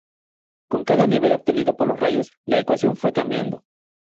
Con cada nivel obtenido por los Rayos, la ecuación fue cambiando.